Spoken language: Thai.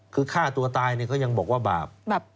คือฆ่าตัวตายเนี่ยเขายังบอกว่าบาป